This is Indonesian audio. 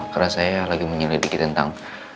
karena saya lagi menyelidiki tentang